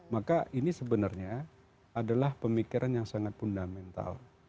maka ini sebenarnya adalah pemikiran yang sangat fundamental